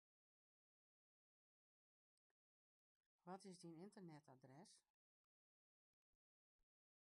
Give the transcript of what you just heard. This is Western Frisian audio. Wat is dyn ynternetadres?